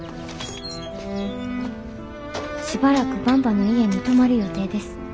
「しばらくばんばの家に泊まる予定です。